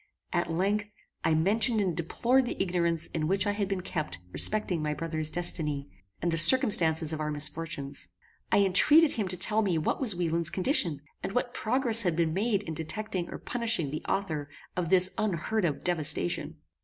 At length, I mentioned and deplored the ignorance in which I had been kept respecting my brother's destiny, and the circumstances of our misfortunes. I entreated him to tell me what was Wieland's condition, and what progress had been made in detecting or punishing the author of this unheard of devastation.